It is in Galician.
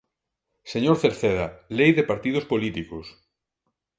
Señor Cerceda, Lei de partidos políticos.